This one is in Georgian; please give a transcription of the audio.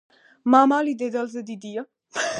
მამალი დედალზე დიდია.